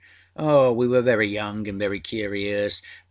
We were very young anâ very curious.